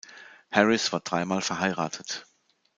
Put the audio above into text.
Harris war dreimal verheiratet.